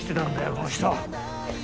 この人。